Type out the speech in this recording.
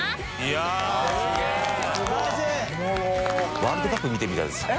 ワールドカップ見てるみたいです。